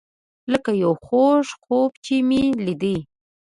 لکه یو خوږ خوب چې مې لیدی.